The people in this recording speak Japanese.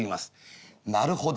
「なるほど。